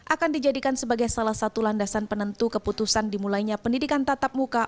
akan dijadikan sebagai salah satu landasan penentu keputusan dimulainya pendidikan tatap muka